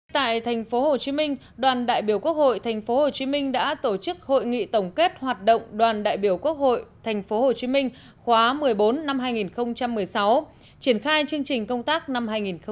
tại tp hcm đoàn đại biểu quốc hội tp hcm đã tổ chức hội nghị tổng kết hoạt động đoàn đại biểu quốc hội tp hcm khóa một mươi bốn năm hai nghìn một mươi sáu triển khai chương trình công tác năm hai nghìn một mươi chín